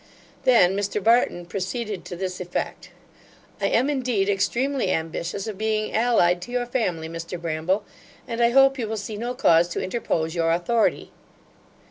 Then Mr Barton proceeded to this effect 'I am, indeed, extremely ambitious of being allied to your family, Mr Bramble, and I hope you will see no cause to interpose your authority.